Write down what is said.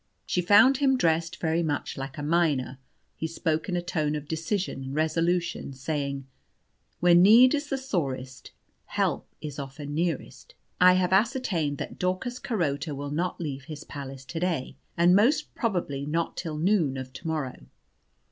She found him dressed very much like a miner. He spoke in a tone of decision and resolution, saying, "When need is the sorest, help is often nearest. I have ascertained that Daucus Carota will not leave his palace to day, and most probably not till noon of to morrow.